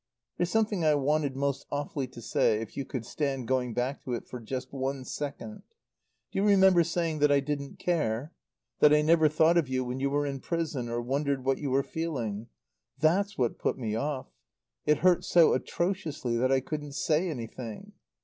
"There's something I wanted most awfully to say, if you could stand going back to it for just one second. Do you remember saying that I didn't care? That I never thought of you when you were in prison or wondered what you were feeling? That's what put me off. It hurt so atrociously that I couldn't say anything.